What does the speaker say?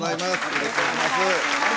よろしくお願いします